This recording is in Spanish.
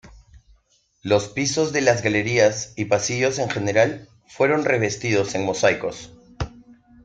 Los pisos de las galerías y pasillos en general, fueron revestidos en mosaicos.